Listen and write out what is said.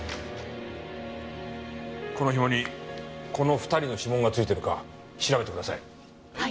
この紐にこの２人の指紋が付いてるか調べてください。